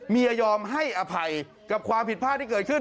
ยอมให้อภัยกับความผิดพลาดที่เกิดขึ้น